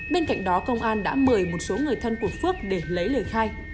bên cạnh đó công an đã mời một số người thân của phước để lấy lời khai